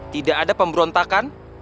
tidak ada pemberontakan